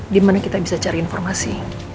dimana kita bisa cari informasi